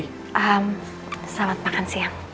selamat makan siang